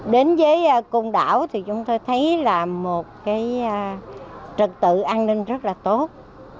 đến với côn đảo thì chúng tôi thấy là một cái trật tự an ninh rất là tốt